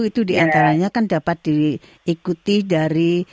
itu diantaranya kan dapat diikuti dari